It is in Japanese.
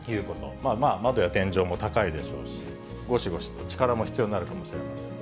まあまあ窓や天井も高いでしょうし、ごしごしと力も必要になるかもしれません。